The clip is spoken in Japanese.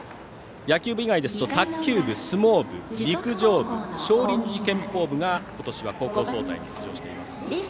野球部以外ですと卓球部、相撲部、陸上部少林寺拳法部が今年は高校総体に出場しています。